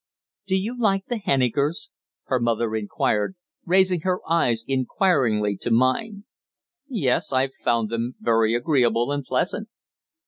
"Do you like the Hennikers?" her mother inquired, raising her eyes inquiringly to mine. "Yes, I've found them very agreeable and pleasant."